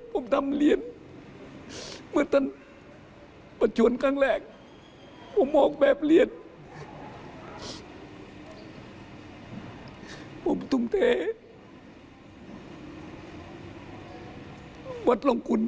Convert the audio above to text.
วัดร่องคุณ